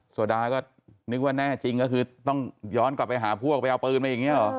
โซดาก็นึกว่าแน่จริงก็คือต้องย้อนกลับไปหาพวกไปเอาปืนมาอย่างนี้หรอ